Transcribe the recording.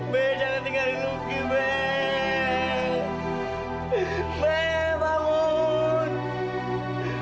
be jangan tinggal leluhur be